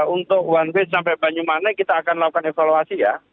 untuk wanb sampai banyumane kita akan melakukan evaluasi ya